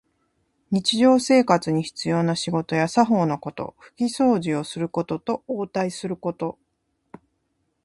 日常生活に必要な仕事や作法のこと。ふきそうじをすることと、応対すること。